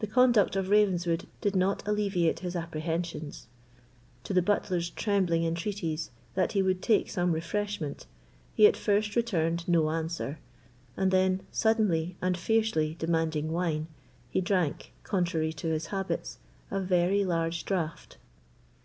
The conduct of Ravenswood did not alleviate his apprehensions. To the butler's trembling entreaties that he would take some refreshment, he at first returned no answer, and then suddenly and fiercely demanding wine, he drank, contrary to his habits, a very large draught.